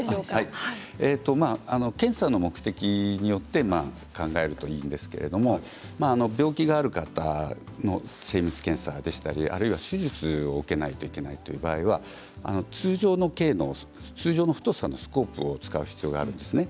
検査の目的によって考えるといいんですけれども病気がある方の精密検査でしたり手術を受けないといけないという場合は通常の径の、太さのスコープを使う必要があるんですね。